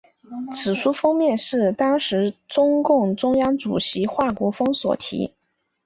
此书封面是当时中共中央主席华国锋所题。